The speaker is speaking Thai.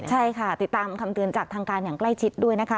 ใช่ค่ะติดตามคำเตือนจากทางการอย่างใกล้ชิดด้วยนะคะ